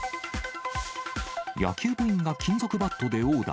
野球部員が金属バットで殴打。